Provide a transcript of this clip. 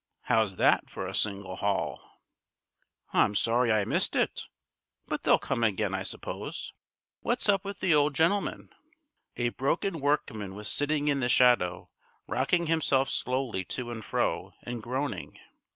How's that for a single haul?" "I'm sorry I missed it. But they'll come again, I suppose. What's up with the old gentleman?" A broken workman was sitting in the shadow, rocking himself slowly to and fro, and groaning.